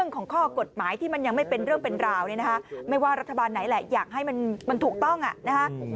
ของข้อกฎหมายที่มันยังไม่เป็นเรื่องเป็นราวเนี่ยนะคะไม่ว่ารัฐบาลไหนแหละอยากให้มันถูกต้องอ่ะนะคะ